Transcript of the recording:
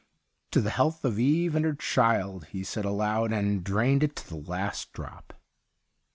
' To the health of Eve and her child,' he said aloud, and drained it to the last drop.